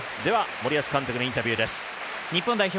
森保監督のインタビューです。